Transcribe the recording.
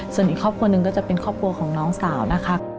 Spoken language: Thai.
ส่วนอีกครอบครัวหนึ่งก็จะเป็นครอบครัวของน้องสาวนะคะ